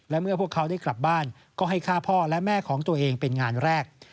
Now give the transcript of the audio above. และเมื่อพวกเขาได้กลับบ้านก็ให้ฆ่าพ่อและแม่ของตัวเองเป็นงานแรก